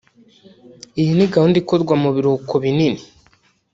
Iyi ni gahunda ikorwa mu biruhuko binini